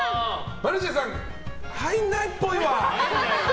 マルシアさん入らないっぽいわ。